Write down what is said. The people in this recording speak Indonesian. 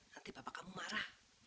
nanti bapak kamu marah